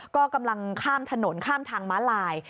ก็กำลังข้ามถนนข้ามทางม้าลาย